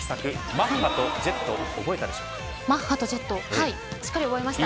マッハとジェットマッハとジェットしっかり覚えました。